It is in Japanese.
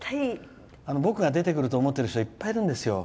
僕が出てくると思ってる人がいっぱいいるんですよ。